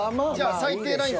最低ライン